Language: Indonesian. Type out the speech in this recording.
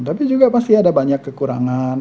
tapi juga pasti ada banyak kekurangan